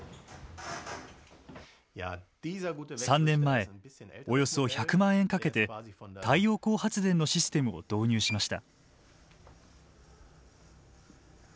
３年前およそ１００万円かけて太陽光発電のシステムを導入しました。